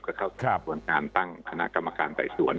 ก็เข้าในส่วนการตั้งคณะกรรมการแต่ส่วน